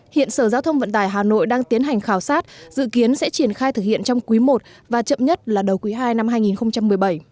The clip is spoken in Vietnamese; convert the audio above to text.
hiện sở giao thông vận tải hà nội đang tiến hành khảo sát dự kiến sẽ triển khai thực hiện trong quý i và chậm nhất là đầu quý ii năm hai nghìn một mươi bảy